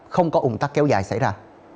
không có ủng tắc kéo dài xảy ra